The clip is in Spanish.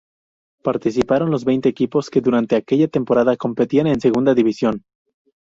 Participaron los veinte equipos que durante aquella temporada competían en Segunda División.